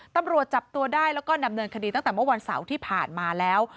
ตำรวจจับตัวได้แล้วก็ดำเนินคดีตั้งแต่เมื่อวันเสาร์ที่ผ่านมาแล้ว